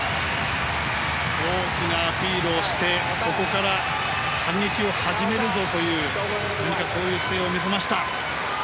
大きなアピールをしてここから反撃を始めるぞという姿勢を見せました。